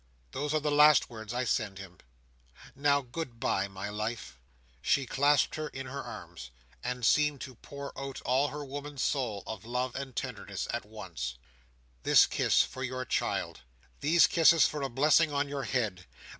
Those are the last words I send him! Now, goodbye, my life!" She clasped her in her arms, and seemed to pour out all her woman's soul of love and tenderness at once. "This kiss for your child! These kisses for a blessing on your head!